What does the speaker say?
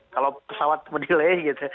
kalau pesawat penerbangan